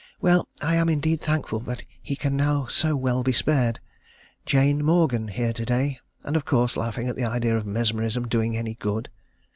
Well, I am indeed thankful that he can now so well be spared. Jane Morgan here to day, and of course laughing at the idea of mesmerism doing any good.